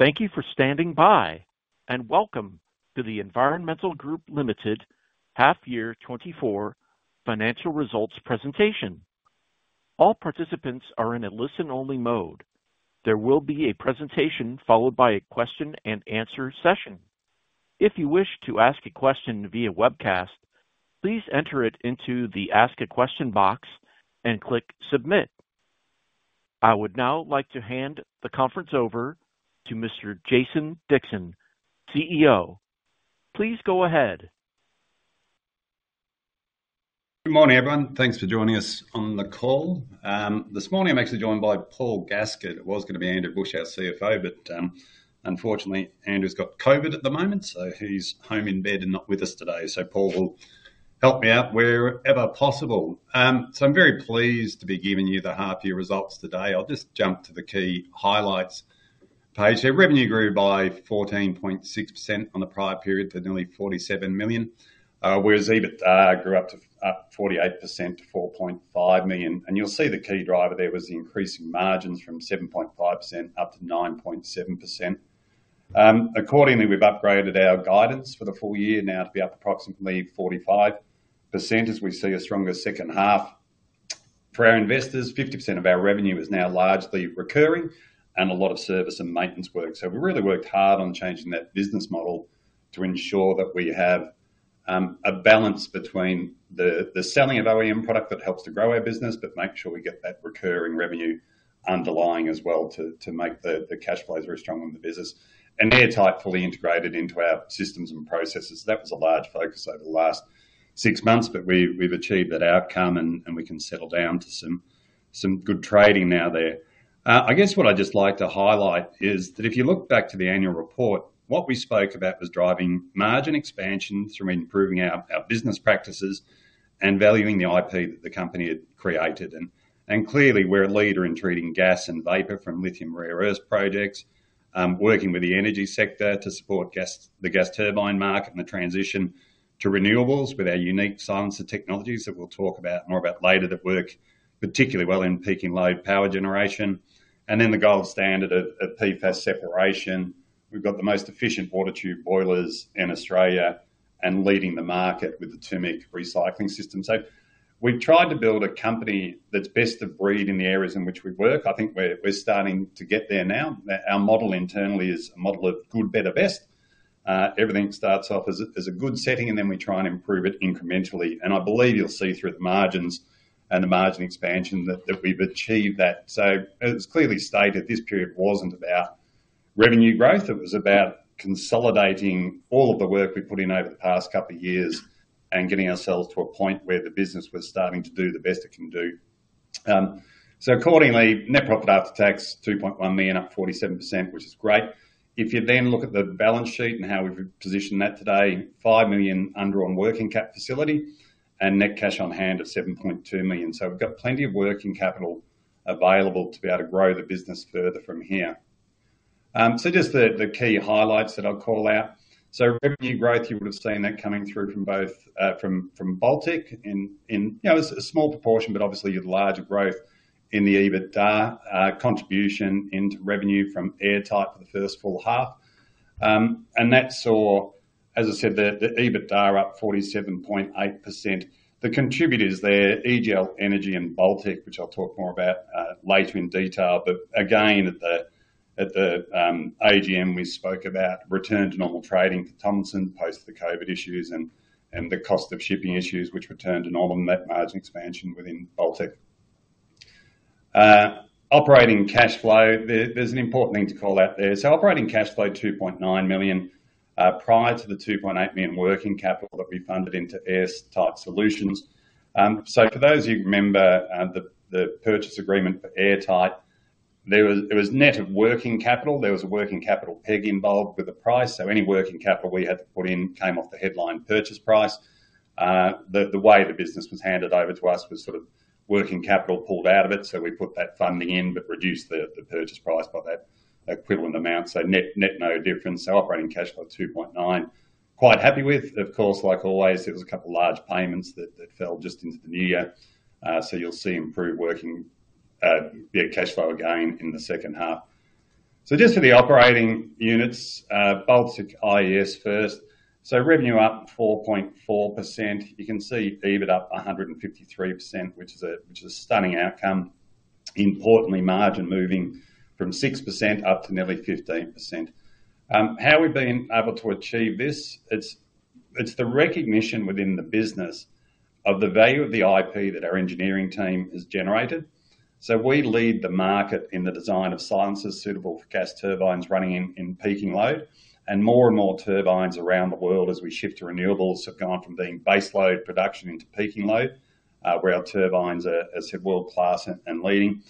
Thank you for standing by, and welcome to The Environmental Group Limited half-year 2024 financial results presentation. All participants are in a listen-only mode. There will be a presentation followed by a question-and-answer session. If you wish to ask a question via webcast, please enter it into the Ask a Question box and click Submit. I would now like to hand the conference over to Mr. Jason Dixon, CEO. Please go ahead. Good morning, everyone. Thanks for joining us on the call. This morning I'm actually joined by Paul Gaskett. It was going to be Andrew Bush, our CFO, but unfortunately Andrew's got COVID at the moment, so he's home in bed and not with us today. Paul will help me out wherever possible. I'm very pleased to be giving you the half-year results today. I'll just jump to the key highlights page here. Revenue grew by 14.6% on the prior period to nearly 47 million, whereas EBITDA grew up to 48% to 4.5 million. And you'll see the key driver there was the increasing margins from 7.5% up to 9.7%. Accordingly, we've upgraded our guidance for the full year now to be up approximately 45% as we see a stronger second half. For our investors, 50% of our revenue is now largely recurring and a lot of service and maintenance work. So we really worked hard on changing that business model to ensure that we have a balance between the selling of OEM product that helps to grow our business, but make sure we get that recurring revenue underlying as well to make the cash flows very strong in the business. And Airtight fully integrated into our systems and processes. That was a large focus over the last six months, but we've achieved that outcome and we can settle down to some good trading now there. I guess what I'd just like to highlight is that if you look back to the annual report, what we spoke about was driving margin expansion through improving our business practices and valuing the IP that the company had created. And clearly we're a leader in treating gas and vapor from lithium rare earth projects, working with the energy sector to support the gas turbine market and the transition to renewables with our unique silencer technologies that we'll talk about more later that work particularly well in peak and low power generation. And then the gold standard of PFAS separation. We've got the most efficient water tube boilers in Australia and leading the market with the Turmec recycling system. So we've tried to build a company that's best of breed in the areas in which we work. I think we're starting to get there now. Our model internally is a model of good, better, best. Everything starts off as a good setting, and then we try and improve it incrementally. And I believe you'll see through the margins and the margin expansion that we've achieved that. So it was clearly stated this period wasn't about revenue growth. It was about consolidating all of the work we put in over the past couple of years and getting ourselves to a point where the business was starting to do the best it can do. So accordingly, net profit after tax 2.1 million, up 47%, which is great. If you then look at the balance sheet and how we've positioned that today, 5 million under on working cap facility and net cash on hand of 7.2 million. So we've got plenty of working capital available to be able to grow the business further from here. So just the key highlights that I'll call out. So revenue growth, you would've seen that coming through from both from Baltec in you know, it's a small proportion, but obviously you had larger growth in the EBITDA contribution into revenue from Airtight for the first full half. And that saw, as I said, the EBITDA are up 47.8%. The contributors there, EGL Energy and Baltec, which I'll talk more about later in detail. But again, at the AGM we spoke about return to normal trading for Tomlinson post the COVID issues and the cost of shipping issues, which returned to normal net margin expansion within Baltec. Operating cash flow, there's an important thing to call out there. So operating cash flow 2.9 million, prior to the 2.8 million working capital that we funded into Airtight Solutions. So for those of you who remember, the purchase agreement for Airtight, there was, it was net of working capital. There was a working capital peg involved with the price. So any working capital we had to put in came off the headline purchase price. The way the business was handed over to us was sort of working capital pulled out of it. So we put that funding in but reduced the purchase price by that equivalent amount. So net, net no difference. So operating cash flow 2.9 million, quite happy with. Of course, like always, there was a couple of large payments that fell just into the new year. So you'll see improved working cash flow again in the second half. So just for the operating units, Baltec IES first. So revenue up 4.4%. You can see EBIT up 153%, which is a stunning outcome. Importantly, margin moving from 6% up to nearly 15%. How we've been able to achieve this, it's the recognition within the business of the value of the IP that our engineering team has generated. So we lead the market in the design of silencers suitable for gas turbines running in peaking load. And more and more turbines around the world as we shift to renewables have gone from being baseload production into peaking load, where our turbines are, as said, world-class and leading.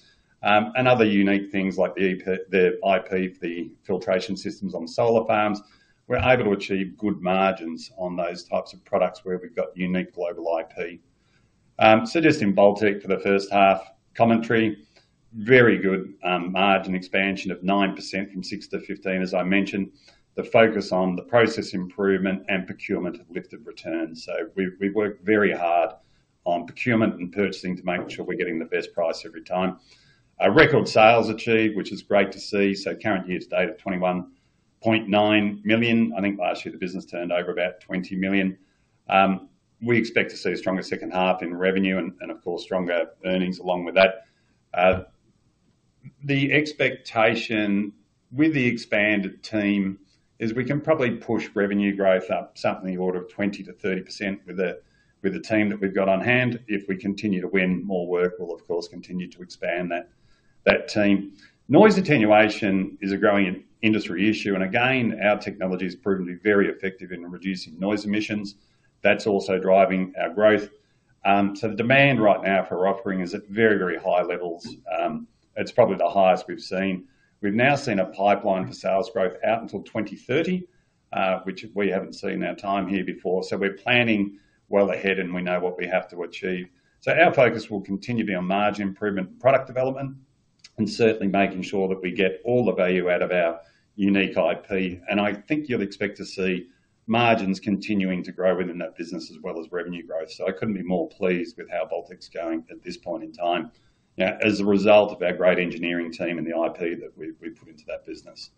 And other unique things like the EP their IP for the filtration systems on solar farms. We're able to achieve good margins on those types of products where we've got unique global IP. Just in Baltec for the first half, commentary, very good, margin expansion of 9% from 6% to 15%, as I mentioned. The focus on the process improvement and procurement have lifted returns. We've worked very hard on procurement and purchasing to make sure we're getting the best price every time. Record sales achieved, which is great to see. Current year to date of 21.9 million. I think last year the business turned over about 20 million. We expect to see a stronger second half in revenue and, of course, stronger earnings along with that. The expectation with the expanded team is we can probably push revenue growth up something in the order of 20%-30% with the team that we've got on hand. If we continue to win more work, we will of course continue to expand that team. Noise attenuation is a growing industry issue. Again, our technology's proven to be very effective in reducing noise emissions. That's also driving our growth. So the demand right now for our offering is at very, very high levels. It's probably the highest we've seen. We've now seen a pipeline for sales growth out until 2030, which we haven't seen our time here before. So we're planning well ahead and we know what we have to achieve. So our focus will continue to be on margin improvement, product development, and certainly making sure that we get all the value out of our unique IP. And I think you'll expect to see margins continuing to grow within that business as well as revenue growth. So I couldn't be more pleased with how Baltec's going at this point in time, you know, as a result of our great engineering team and the IP that we've put into that business.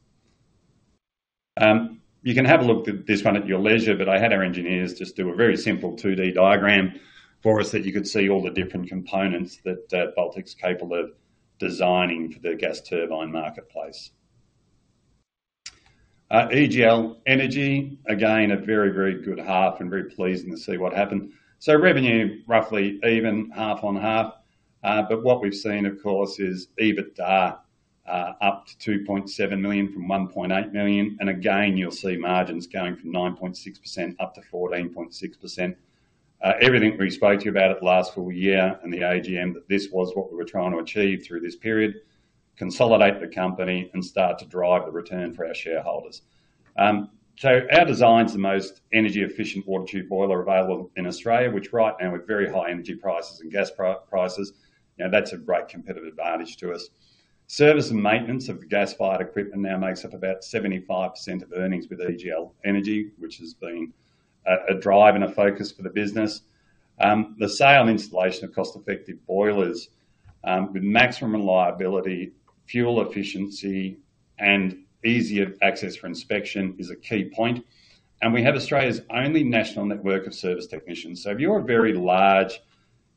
You can have a look at this one at your leisure, but I had our engineers just do a very simple 2D diagram for us that you could see all the different components that Baltec's capable of designing for the gas turbine marketplace. EGL Energy, again, a very, very good half and very pleased to see what happened. So revenue roughly even, half on half. But what we've seen, of course, is EBITDA up to 2.7 million from 1.8 million. And again, you'll see margins going from 9.6% up to 14.6%. Everything we spoke to you about at the last full year and the AGM that this was what we were trying to achieve through this period, consolidate the company and start to drive the return for our shareholders. Our design's the most energy-efficient water tube boiler available in Australia, which right now with very high energy prices and gas prices, you know, that's a great competitive advantage to us. Service and maintenance of the gas-fired equipment now makes up about 75% of earnings with EGL Energy, which has been a drive and a focus for the business. The sale and installation of cost-effective boilers, with maximum reliability, fuel efficiency, and easier access for inspection is a key point. We have Australia's only national network of service technicians. So if you're a very large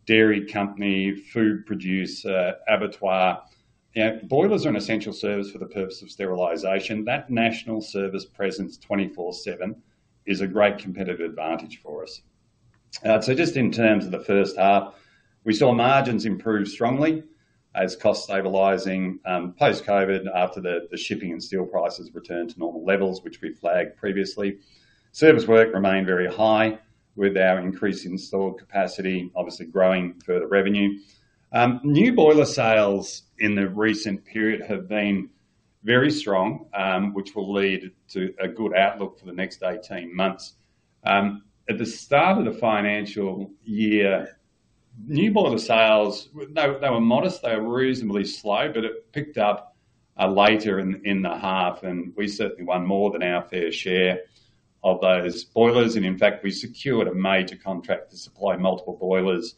dairy company, food producer, abattoir, you know, boilers are an essential service for the purpose of sterilization. That national service presence 24/7 is a great competitive advantage for us. So just in terms of the first half, we saw margins improve strongly as cost stabilizing, post-COVID after the shipping and steel prices returned to normal levels, which we flagged previously. Service work remained very high with our increase in stored capacity, obviously growing further revenue. New boiler sales in the recent period have been very strong, which will lead to a good outlook for the next 18 months. At the start of the financial year, new boiler sales were modest. They were reasonably slow, but it picked up later in the half. And we certainly won more than our fair share of those boilers. In fact, we secured a major contract to supply multiple boilers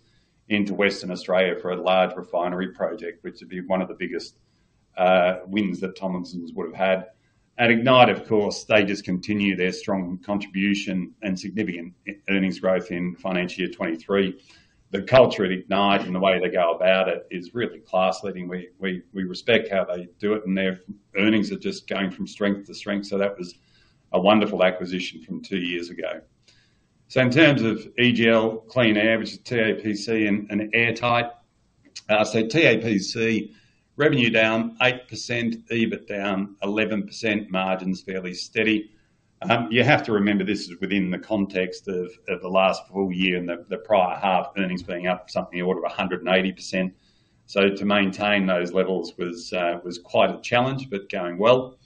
into Western Australia for a large refinery project, which would be one of the biggest wins that Tomlinson's would've had. At Ignite, of course, they just continue their strong contribution and significant earnings growth in financial year 2023. The culture at Ignite and the way they go about it is really class-leading. We respect how they do it. And their earnings are just going from strength to strength. So that was a wonderful acquisition from two years ago. So in terms of EGL Clean Air, which is TAPC and Airtight, so TAPC revenue down 8%, EBIT down 11%, margins fairly steady. You have to remember this is within the context of the last full year and the prior half earnings being up something in the order of 180%. So to maintain those levels was quite a challenge, but going well.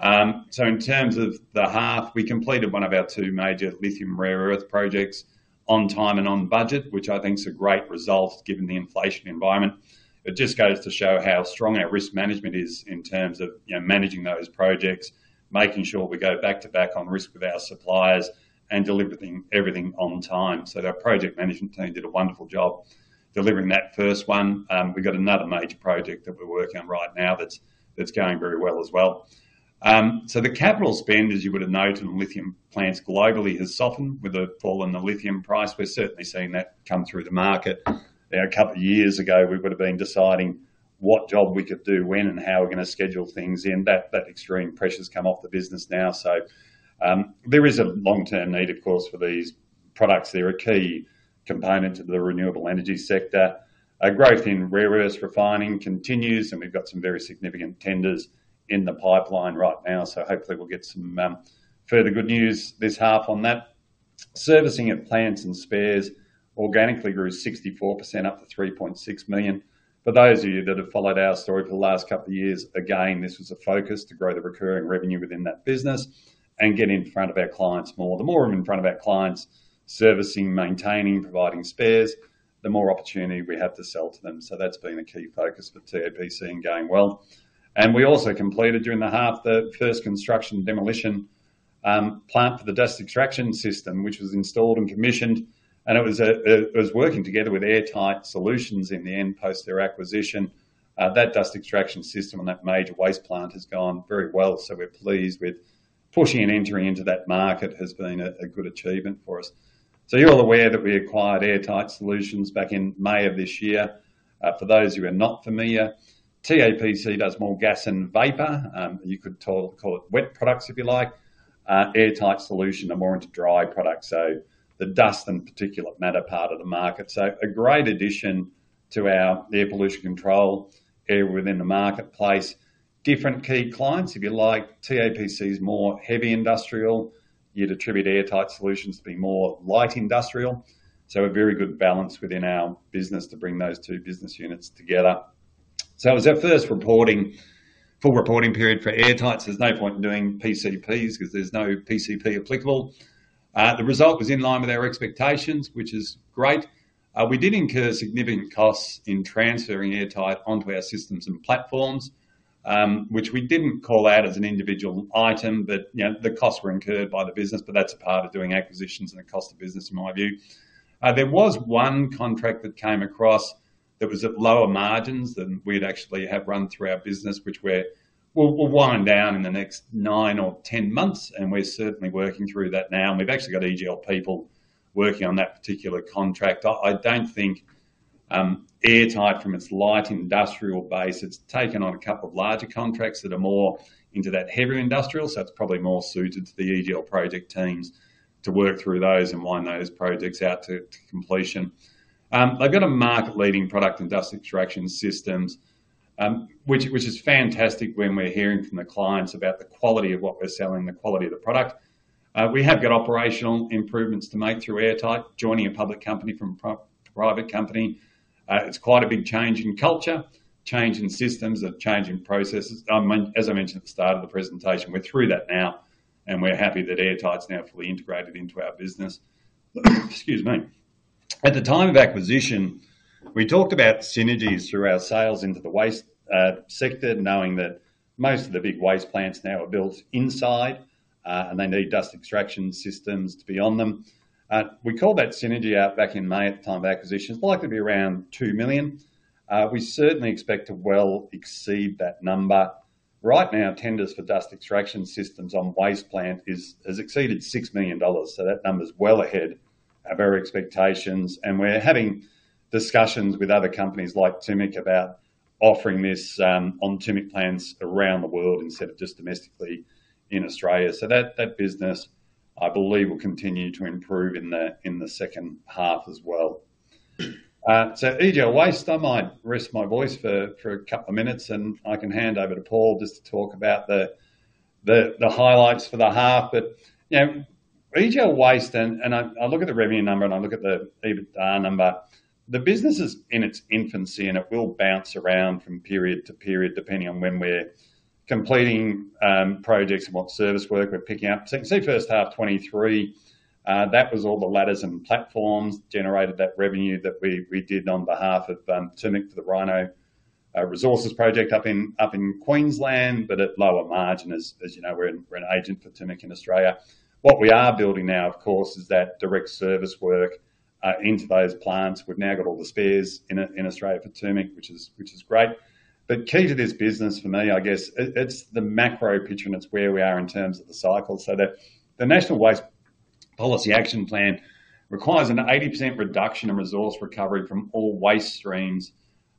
So in terms of the half, we completed one of our two major lithium rare earth projects on time and on budget, which I think's a great result given the inflation environment. It just goes to show how strong our risk management is in terms of, you know, managing those projects, making sure we go back to back on risk with our suppliers and delivering everything on time. So the project management team did a wonderful job delivering that first one. We got another major project that we're working on right now that's going very well as well. So the capital spend, as you would've noted, on lithium plants globally has softened with the fall in the lithium price. We're certainly seeing that come through the market. You know, a couple of years ago we would've been deciding what job we could do when and how we're gonna schedule things in. That extreme pressure's come off the business now. So, there is a long-term need, of course, for these products. They're a key component to the renewable energy sector. Growth in rare earth refining continues, and we've got some very significant tenders in the pipeline right now. So hopefully we'll get some further good news this half on that. Servicing at plants and spares organically grew 64% up to 3.6 million. For those of you that have followed our story for the last couple of years, again, this was a focus to grow the recurring revenue within that business and get in front of our clients more. The more I'm in front of our clients servicing, maintaining, providing spares, the more opportunity we have to sell to them. So that's been a key focus for TAPC and going well. And we also completed during the half the first construction demolition plant for the dust extraction system, which was installed and commissioned. And it was working together with Airtight Solutions in the end post their acquisition. That dust extraction system and that major waste plant has gone very well. So we're pleased with pushing and entering into that market has been a good achievement for us. So you're all aware that we acquired Airtight Solutions back in May of this year. For those of you who are not familiar, TAPC does more gas and vapor. You could call it wet products if you like. Airtight Solutions are more into dry products, so the dust and particulate matter part of the market. So a great addition to our air pollution control area within the marketplace. Different key clients, if you like. TAPC's more heavy industrial. You attribute Airtight Solutions to be more light industrial. So a very good balance within our business to bring those two business units together. So it was our first reporting full reporting period for Airtight. There's no point in doing PCPs 'cause there's no PCP applicable. The result was in line with our expectations, which is great. We did incur significant costs in transferring Airtight onto our systems and platforms, which we didn't call out as an individual item, but, you know, the costs were incurred by the business. But that's a part of doing acquisitions and the cost of business in my view. There was one contract that came across that was at lower margins than we'd actually have run through our business, which we'll wind down in the next nine or 10 months. We're certainly working through that now. We've actually got EGL people working on that particular contract. I don't think Airtight, from its light industrial base, it's taken on a couple of larger contracts that are more into that heavy industrial. So it's probably more suited to the EGL project teams to work through those and wind those projects out to completion. They've got a market-leading product, industrial extraction systems, which is fantastic when we're hearing from the clients about the quality of what we're selling, the quality of the product. We have got operational improvements to make through Airtight, joining a public company from a private company. It's quite a big change in culture, change in systems, a change in processes. I mean, as I mentioned at the start of the presentation, we're through that now, and we're happy that Airtight's now fully integrated into our business. Excuse me. At the time of acquisition, we talked about synergies through our sales into the waste sector, knowing that most of the big waste plants now are built inside, and they need dust extraction systems to be on them. We called that synergy out back in May at the time of acquisition. It's likely to be around 2 million. We certainly expect to well exceed that number. Right now, tenders for dust extraction systems on waste plant is, has exceeded 6 million dollars. So that number's well ahead of our expectations. And we're having discussions with other companies like Turmec about offering this, on Turmec plants around the world instead of just domestically in Australia. So that business, I believe, will continue to improve in the second half as well. So EGL Waste, I might rest my voice for a couple of minutes, and I can hand over to Paul just to talk about the highlights for the half. But, you know, EGL Waste and I look at the revenue number and I look at the EBITDA number, the business is in its infancy, and it will bounce around from period to period depending on when we're completing projects and what service work we're picking up. So you can see first half 2023, that was all the ladders and platforms generated that revenue that we did on behalf of Turmec for the Rino Resources project up in Queensland, but at lower margin as you know, we're an agent for Turmec in Australia. What we are building now, of course, is that direct service work into those plants. We've now got all the spares in Australia for Turmec, which is great. But key to this business for me, I guess, it's the macro picture and it's where we are in terms of the cycle. So the National Waste Policy Action Plan requires an 80% reduction in resource recovery from all waste streams,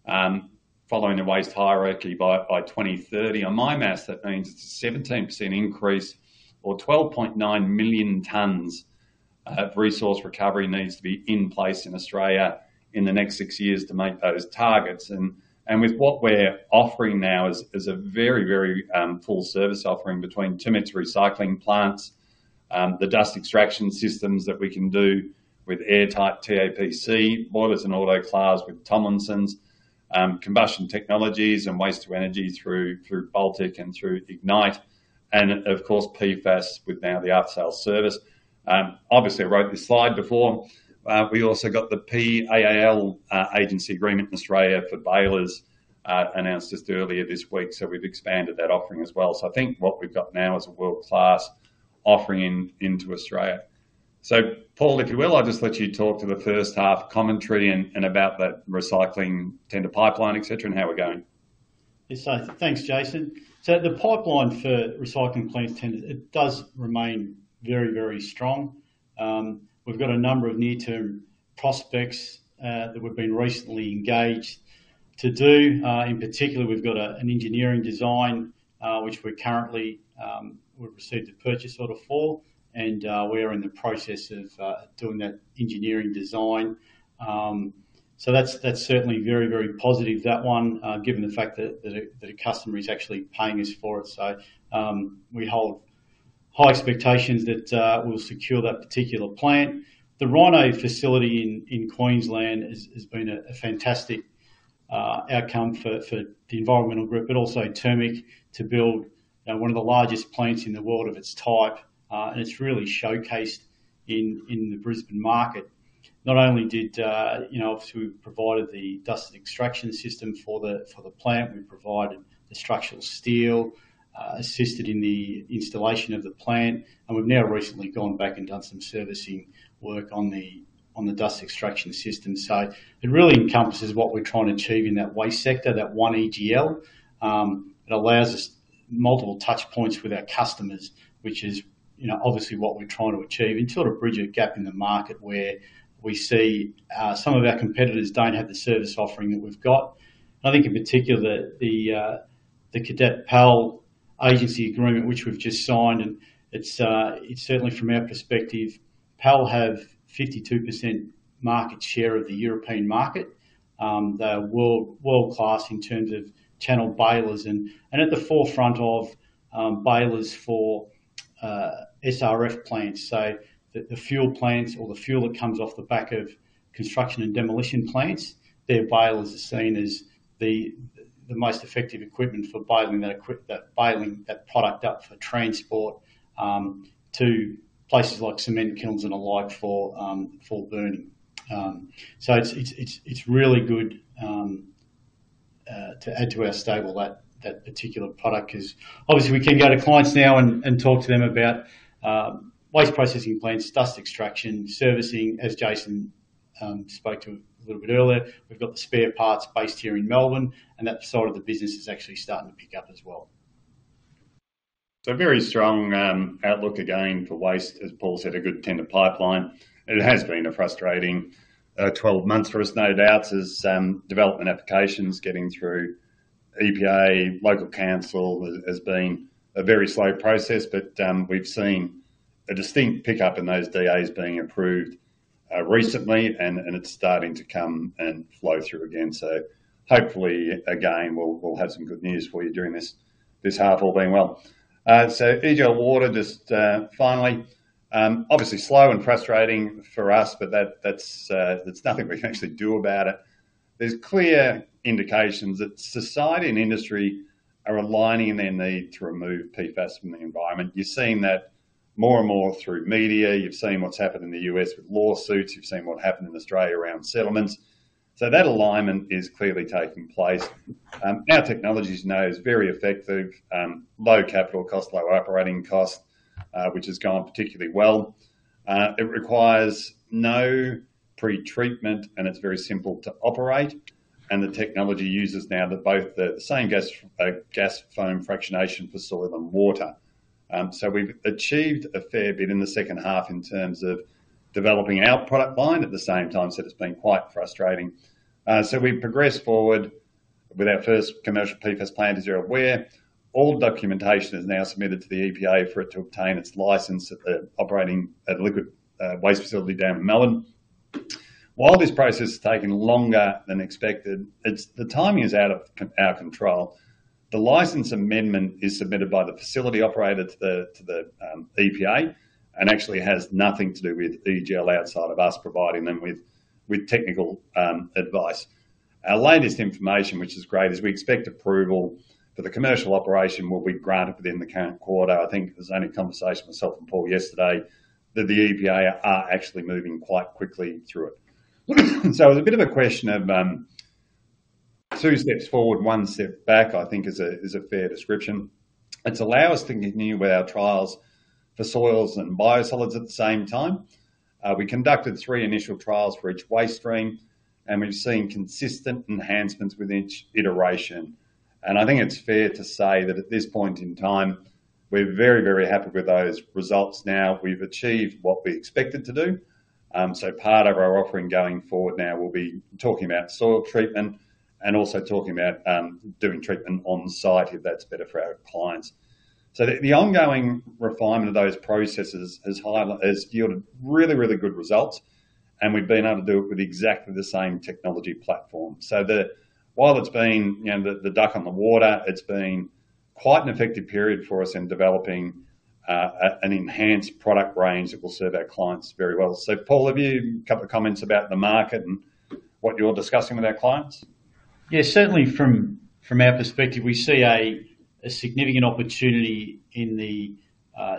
following the waste hierarchy by 2030. On my math, that means it's a 17% increase or 12.9 million tons of resource recovery needs to be in place in Australia in the next six years to make those targets. And, and with what we're offering now is, is a very, very full service offering between Turmec's recycling plants, the dust extraction systems that we can do with Airtight TAPC, boilers and autoclaves with Tomlinson's, combustion technologies and waste to energy through, through Baltec and through Ignite, and of course, PFAS with now the upsell service. Obviously, I wrote this slide before. We also got the PAAL Agency Agreement in Australia for balers, announced just earlier this week. So we've expanded that offering as well. So I think what we've got now is a world-class offering in, into Australia. So Paul, if you will, I'll just let you talk to the first half commentary and about that recycling tender pipeline, etc., and how we're going. Yes, thanks, Jason. So the pipeline for recycling plants tenders, it does remain very, very strong. We've got a number of near-term prospects that we've been recently engaged to do. In particular, we've got an engineering design, which we're currently, we've received a purchase order for, and we are in the process of doing that engineering design. So that's certainly very, very positive, that one, given the fact that a customer is actually paying us for it. So we hold high expectations that we'll secure that particular plant. The Rino facility in Queensland has been a fantastic outcome for the Environmental Group, but also Turmec to build, you know, one of the largest plants in the world of its type. It's really showcased in the Brisbane market. Not only did, you know, obviously, we provide the dust extraction system for the plant, we provided the structural steel, assisted in the installation of the plant, and we've now recently gone back and done some servicing work on the dust extraction system. So it really encompasses what we're trying to achieve in that waste sector, that one EGL. It allows us multiple touchpoints with our customers, which is, you know, obviously what we're trying to achieve and sort of bridge a gap in the market where we see some of our competitors don't have the service offering that we've got. And I think in particular that the PAAL Agency Agreement, which we've just signed, and it's certainly from our perspective, PAAL has 52% market share of the European market. They're world-class in terms of channel balers and at the forefront of balers for SRF plants. So the fuel plants or the fuel that comes off the back of construction and demolition plants, their balers are seen as the most effective equipment for baling that product up for transport to places like cement kilns and the like for burning. So it's really good to add to our stable that particular product 'cause obviously we can go to clients now and talk to them about waste processing plants, dust extraction, servicing, as Jason spoke to a little bit earlier. We've got the spare parts based here in Melbourne, and that side of the business is actually starting to pick up as well. So very strong outlook again for waste. As Paul said, a good tender pipeline. It has been a frustrating 12 months for us, no doubt, as development applications getting through EPA, local council has been a very slow process. But we've seen a distinct pickup in those DAs being approved recently, and it's starting to come and flow through again. So hopefully again, we'll have some good news for you during this half all being well. So EGL Water, just finally, obviously slow and frustrating for us, but that's nothing we can actually do about it. There's clear indications that society and industry are aligning in their need to remove PFAS from the environment. You're seeing that more and more through media. You've seen what's happened in the U.S. with lawsuits. You've seen what happened in Australia around settlements. So that alignment is clearly taking place. Our technology's now very effective, low capital cost, low operating cost, which has gone particularly well. It requires no pretreatment, and it's very simple to operate. And the technology uses now both the same gas foam fractionation for soil and water. So we've achieved a fair bit in the second half in terms of developing our product line at the same time. So it's been quite frustrating. So we've progressed forward with our first commercial PFAS plant, as you're aware. All documentation is now submitted to the EPA for it to obtain its license at the operating liquid waste facility down in Melbourne. While this process has taken longer than expected, it's the timing is out of our control. The license amendment is submitted by the facility operator to the EPA and actually has nothing to do with EGL outside of us providing them with technical advice. Our latest information, which is great, is we expect approval for the commercial operation will be granted within the current quarter. I think there was only conversation with myself and Paul yesterday that the EPA are actually moving quite quickly through it. So it was a bit of a question of two steps forward, one step back, I think, is a fair description. It's allow us to continue with our trials for soils and biosolids at the same time. We conducted three initial trials for each waste stream, and we've seen consistent enhancements with each iteration. I think it's fair to say that at this point in time, we're very, very happy with those results now. We've achieved what we expected to do. So part of our offering going forward now will be talking about soil treatment and also talking about doing treatment on site if that's better for our clients. So the ongoing refinement of those processes has highly yielded really, really good results, and we've been able to do it with exactly the same technology platform. So while it's been, you know, the duck on the water, it's been quite an effective period for us in developing an enhanced product range that will serve our clients very well. So Paul, have you a couple of comments about the market and what you're discussing with our clients? Yeah, certainly from our perspective, we see a significant opportunity in the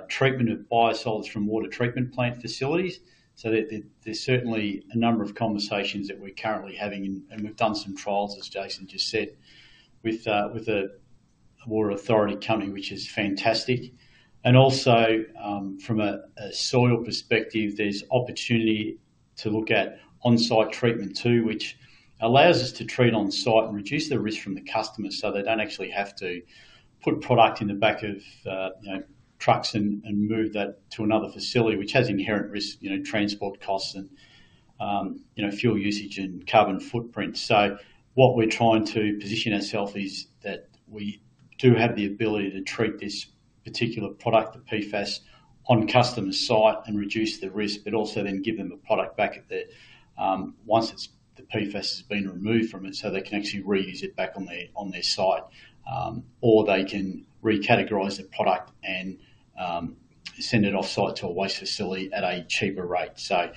treatment of biosolids from water treatment plant facilities. So there's certainly a number of conversations that we're currently having, and we've done some trials, as Jason just said, with a water authority company, which is fantastic. And also, from a soil perspective, there's opportunity to look at on-site treatment too, which allows us to treat on-site and reduce the risk from the customer so they don't actually have to put product in the back of, you know, trucks and move that to another facility, which has inherent risk, you know, transport costs and, you know, fuel usage and carbon footprint. So what we're trying to position ourselves is that we do have the ability to treat this particular product, the PFAS, on customer's site and reduce the risk, but also then give them a product back at the once it's the PFAS has been removed from it so they can actually reuse it back on their on their site, or they can recategorize the product and send it offsite to a waste facility at a cheaper rate. So,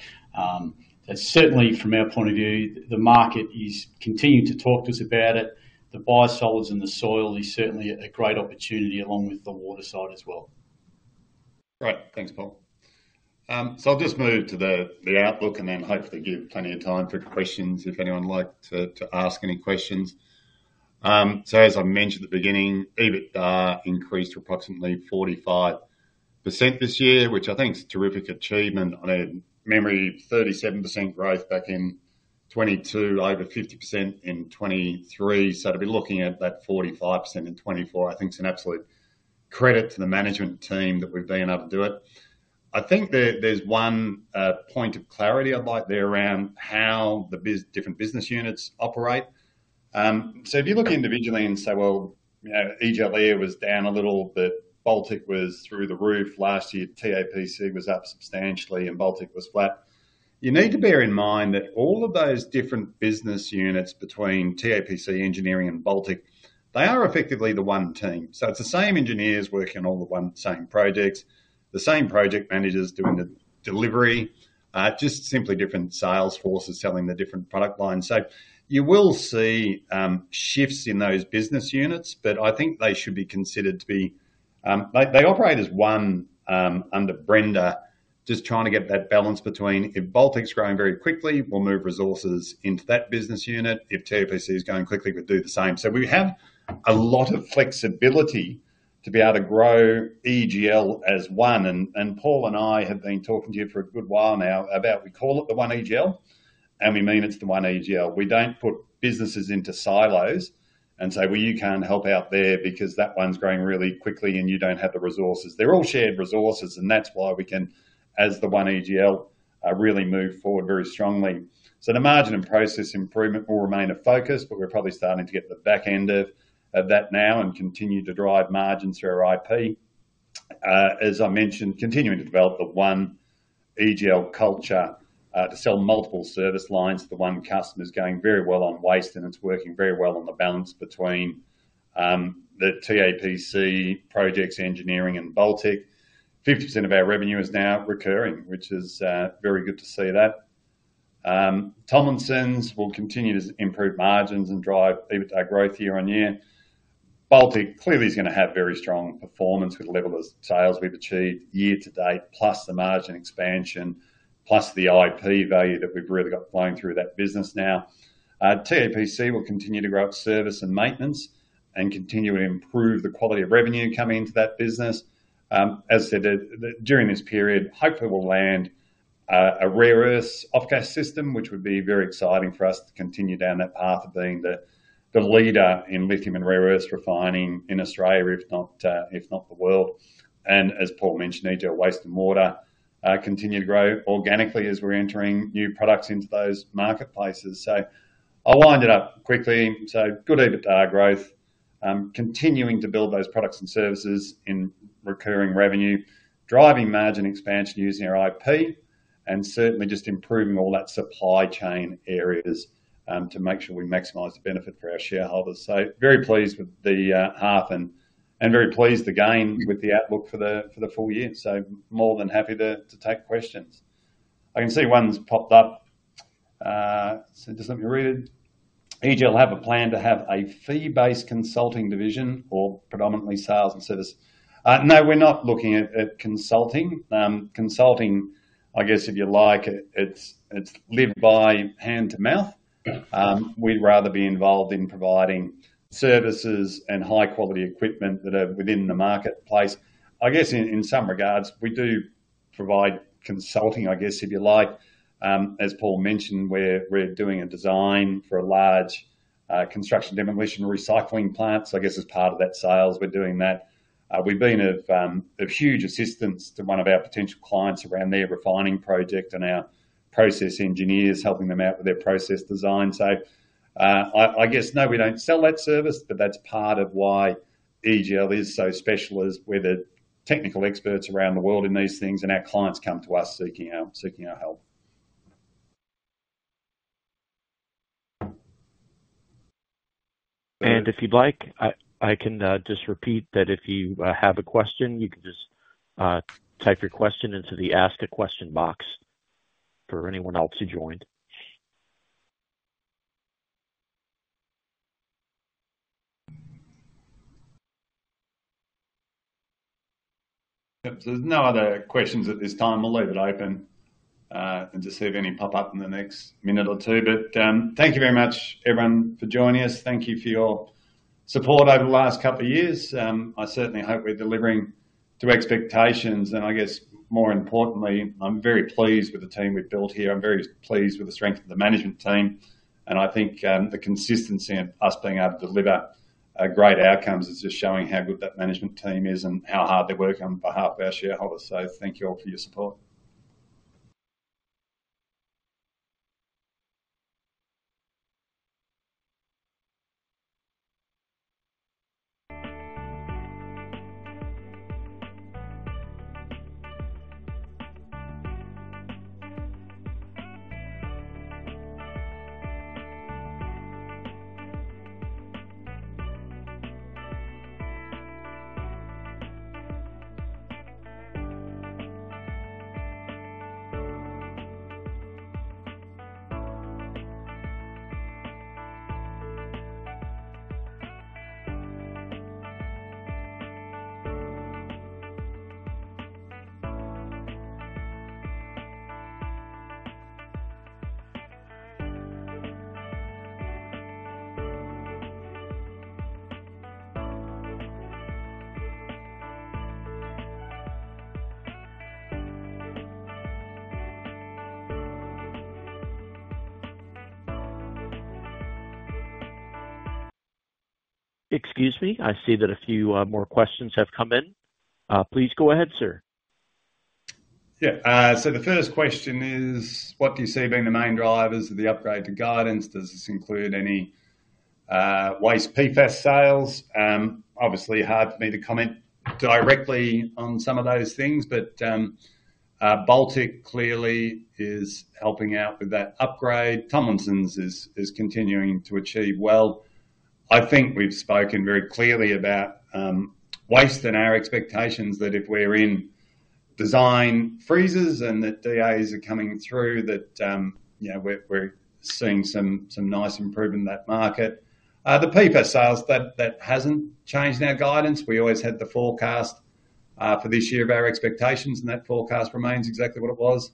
that's certainly from our point of view, the market is continuing to talk to us about it. The biosolids in the soil is certainly a great opportunity along with the water side as well. Great. Thanks, Paul. So I'll just move to the outlook and then hopefully give plenty of time for questions if anyone'd like to ask any questions. So as I mentioned at the beginning, EBITDA increased to approximately 45% this year, which I think's a terrific achievement. From memory, 37% growth back in 2022, over 50% in 2023. So to be looking at that 45% in 2024, I think's an absolute credit to the management team that we've been able to do it. I think there's one point of clarity I'd like there around how the biz different business units operate. So if you look individually and say, "Well, you know, EGL CA was down a little, but Baltec was through the roof last year. TAPC was up substantially, and Baltec was flat," you need to bear in mind that all of those different business units between TAPC, engineering, and Baltec, they are effectively the one team. So it's the same engineers working on all the one same projects, the same project managers doing the delivery, just simply different sales forces selling the different product lines. So you will see shifts in those business units, but I think they should be considered to be they, they operate as one, under one brand they're just trying to get that balance between if Baltec's growing very quickly, we'll move resources into that business unit. If TAPC's going quickly, we'd do the same. So we have a lot of flexibility to be able to grow EGL as one. And, and Paul and I have been talking to you for a good while now about we call it the one EGL, and we mean it's the one EGL. We don't put businesses into silos and say, "Well, you can't help out there because that one's growing really quickly, and you don't have the resources." They're all shared resources, and that's why we can, as the one EGL, really move forward very strongly. So the margin and process improvement will remain a focus, but we're probably starting to get the back end of that now and continue to drive margins through our IP. As I mentioned, continuing to develop the one EGL culture, to sell multiple service lines to the one customer, it's going very well on waste, and it's working very well on the balance between the TAPC projects, engineering, and Baltec. 50% of our revenue is now recurring, which is very good to see that. Tomlinson's will continue to improve margins and drive EBITDA growth year-on-year. Clearly is gonna have very strong performance with the level of sales we've achieved year to date, plus the margin expansion, plus the IP value that we've really got flowing through that business now. TAPC will continue to grow its service and maintenance and continue to improve the quality of revenue coming into that business. As I said, during this period, hopefully, we'll land a rare earths off-gas system, which would be very exciting for us to continue down that path of being the leader in lithium and rare earths refining in Australia, if not the world. As Paul mentioned, EGL Waste and Water continue to grow organically as we're entering new products into those marketplaces. I'll wind it up quickly. So good EBITDA growth, continuing to build those products and services in recurring revenue, driving margin expansion using our IP, and certainly just improving all that supply chain areas, to make sure we maximize the benefit for our shareholders. So very pleased with the half, and very pleased again with the outlook for the full year. So more than happy to take questions. I can see one's popped up. So just let me read it. EGL have a plan to have a fee-based consulting division or predominantly sales and service. No, we're not looking at consulting. Consulting, I guess, if you like, it's live hand to mouth. We'd rather be involved in providing services and high-quality equipment that are within the marketplace. I guess in some regards, we do provide consulting, I guess, if you like. As Paul mentioned, we're, we're doing a design for a large, construction demolition recycling plant. So I guess as part of that sales, we're doing that. We've been of, of huge assistance to one of our potential clients around their refining project and our process engineers helping them out with their process design. So, I, I guess, no, we don't sell that service, but that's part of why EGL is so special, is we're the technical experts around the world in these things, and our clients come to us seeking our seeking our help. And if you'd like, I, I can, just repeat that if you, have a question, you can just, type your question into the Ask a Question box for anyone else who joined. Yep. There's no other questions at this time. We'll leave it open, and just see if any pop up in the next minute or two. But, thank you very much, everyone, for joining us. Thank you for your support over the last couple of years. I certainly hope we're delivering to expectations. And I guess, more importantly, I'm very pleased with the team we've built here. I'm very pleased with the strength of the management team. And I think, the consistency of us being able to deliver great outcomes is just showing how good that management team is and how hard they work on behalf of our shareholders. So thank you all for your support. Excuse me. I see that a few, more questions have come in. Please go ahead, sir. Yeah. So the first question is, what do you see being the main drivers of the upgrade to guidance? Does this include any waste PFAS sales? Obviously, hard for me to comment directly on some of those things, but Baltec clearly is helping out with that upgrade. Tomlinson's is continuing to achieve well. I think we've spoken very clearly about waste and our expectations that if we're in design freezes and that DAs are coming through, that, you know, we're seeing some nice improvement in that market. The PFAS sales, that hasn't changed our guidance. We always had the forecast for this year of our expectations, and that forecast remains exactly what it was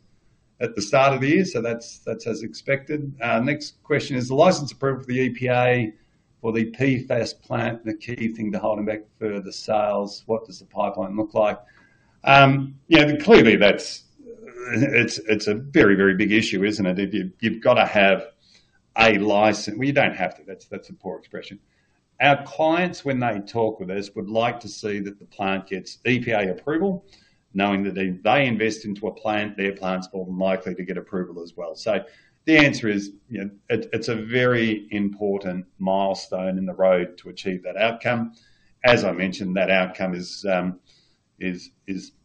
at the start of the year. So that's as expected. Next question is, the license approval for the EPA for the PFAS plant, the key thing to hold them back for the sales, what does the pipeline look like? You know, clearly, that's it, it's a very, very big issue, isn't it? If you've gotta have a license, well, you don't have to. That's a poor expression. Our clients, when they talk with us, would like to see that the plant gets EPA approval, knowing that if they invest into a plant, their plant's more than likely to get approval as well. So the answer is, you know, it's a very important milestone in the road to achieve that outcome. As I mentioned, that outcome is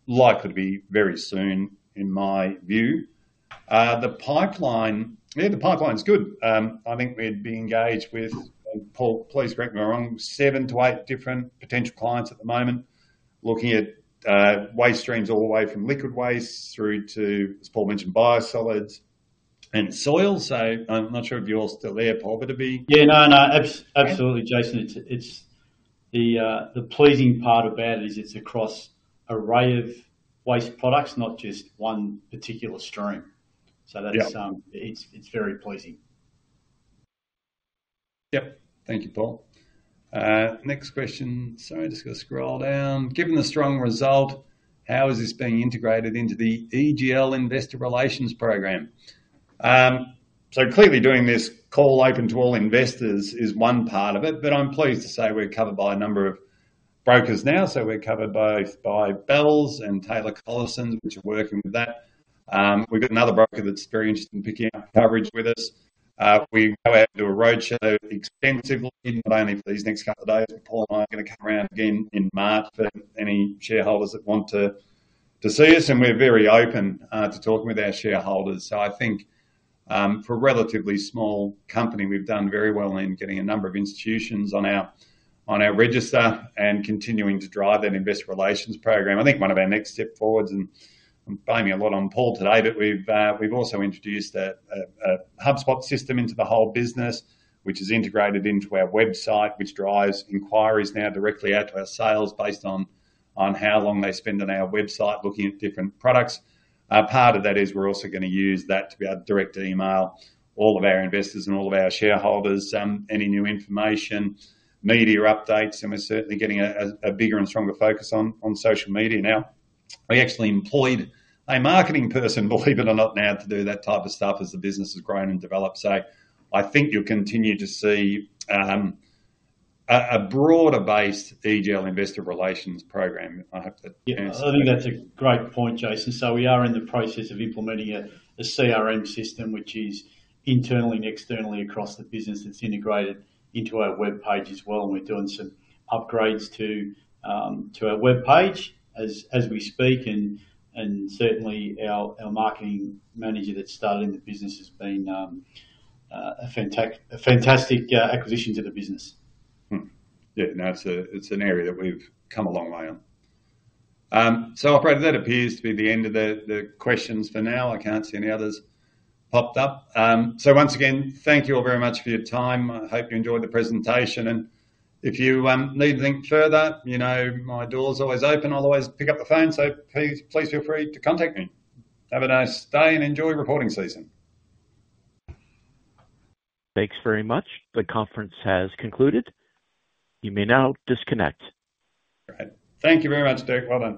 likely to be very soon, in my view. The pipeline, yeah, the pipeline's good. I think we'd be engaged with, and Paul, please correct me if I'm wrong, seven to eight different potential clients at the moment looking at waste streams all the way from liquid waste through to, as Paul mentioned, biosolids and soil. So I'm not sure if you all still there, Paul, but it'll be. Yeah, no, no. Absolutely, Jason. It's the pleasing part about it is it's across an array of waste products, not just one particular stream. So that's yeah. It's very pleasing. Yep. Thank you, Paul. Next question. Sorry, I'm just gonna scroll down. Given the strong result, how is this being integrated into the EGL Investor Relations Program? So clearly, doing this call open to all investors is one part of it, but I'm pleased to say we're covered by a number of brokers now. So we're covered both by Bells and Taylor Collison, which are working with that. We've got another broker that's very interested in picking up coverage with us. We go out and do a roadshow extensively, not only for these next couple of days, but Paul and I are gonna come around again in March for any shareholders that want to see us. And we're very open to talking with our shareholders. So I think, for a relatively small company, we've done very well in getting a number of institutions on our register and continuing to drive that Investor Relations Program. I think one of our next step forwards and I'm blaming a lot on Paul today, but we've also introduced a HubSpot system into the whole business, which is integrated into our website, which drives inquiries now directly out to our sales based on how long they spend on our website looking at different products. Part of that is we're also gonna use that to be able to direct email all of our investors and all of our shareholders any new information, media updates. And we're certainly getting a bigger and stronger focus on social media now. We actually employed a marketing person, believe it or not, now to do that type of stuff as the business has grown and developed. So I think you'll continue to see a broader-based EGL Investor Relations Program. I hope that answers. Yeah. I think that's a great point, Jason. So we are in the process of implementing a CRM system, which is internally and externally across the business that's integrated into our webpage as well. And we're doing some upgrades to our webpage as we speak. And certainly, our marketing manager that started in the business has been a fantastic acquisition to the business. Yeah. No, it's an area that we've come a long way on. So I'll say that that appears to be the end of the questions for now. I can't see any others popped up. So once again, thank you all very much for your time. I hope you enjoyed the presentation. And if you need anything further, you know, my door's always open. I'll always pick up the phone. So please, please feel free to contact me. Have a nice day and enjoy reporting season. Thanks very much. The conference has concluded. You may now disconnect. Great. Thank you very much, Derek. Well.